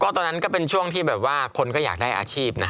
ตอนนั้นก็เป็นช่วงที่แบบว่าคนก็อยากได้อาชีพนะ